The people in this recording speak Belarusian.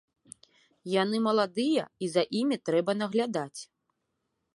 Яны маладыя, і за імі трэба наглядаць.